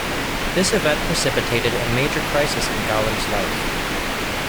This event precipitated a major crisis in Gaughan's life.